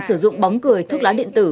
sử dụng bóng cười thuốc lá điện tử